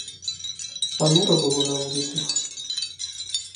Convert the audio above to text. Панура было на вуліцах.